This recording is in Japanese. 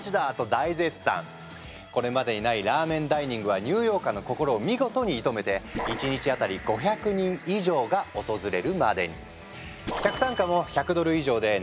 これまでにないラーメンダイニングはニューヨーカーの心を見事に射止めてが訪れるまでに。